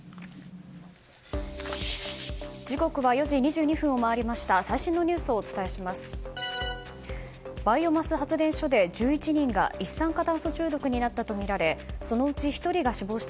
時刻は４時２２分を回りました。